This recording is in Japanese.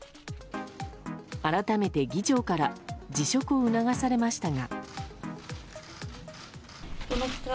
改めて、議長から辞職を促されましたが。